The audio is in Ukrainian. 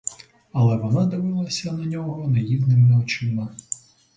Але вона дивилась на нього наївними очима.